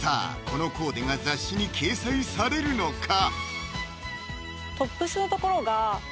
このコーデが雑誌に掲載されるのか？